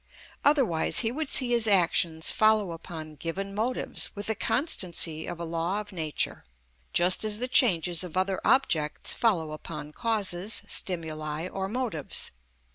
Otherwise he would see his actions follow upon given motives with the constancy of a law of nature, just as the changes of other objects follow upon causes, stimuli, or motives.